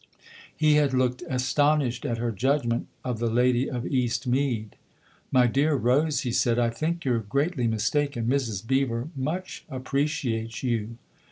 He had looked astonished at her judgment of the lady of Eastmead. 78 THE OTHER HOUSE " My dear Rose/' he said, " I think you're greatly mistaken. Mrs. Beever much appreciates you."